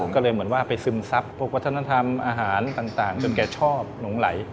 ก็เลยเหมือนว่าไปซึมซับพวกวัฒนธรรมอาหารต่างจนแกชอบหลงไหล